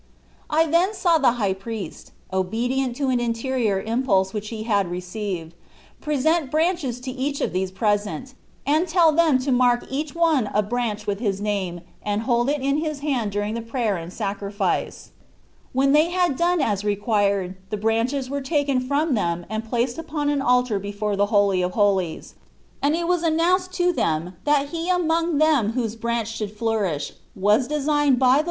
I then saw the High Priest, obedient to an interior impulse which he had re ceived, present branches to each of those present, and tell them to mark each one a branch with his name and hold it in his hand during the prayer and sacrifice. When they had done as required the branches were taken from them and placed upon an altar before the Holy of Holies, and it was announced to them that he among them whose branch should flourish was designed by the Xorfc Jesus (Ibrtet.